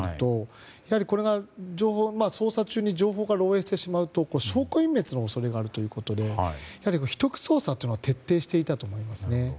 やはり、捜査中に情報が漏洩してしまうと証拠隠滅の恐れがあるということで秘匿捜査というのを徹底していたと思いますね。